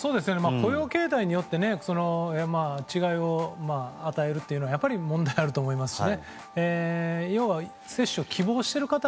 雇用形態によって違いを与えるというのはやっぱり問題があると思いますし接種を希望している方